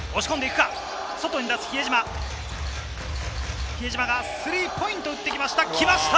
比江島がスリーポイントを打ってきました。